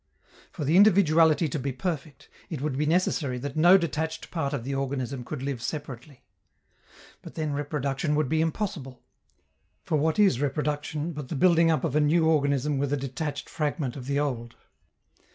For the individuality to be perfect, it would be necessary that no detached part of the organism could live separately. But then reproduction would be impossible. For what is reproduction, but the building up of a new organism with a detached fragment of the old?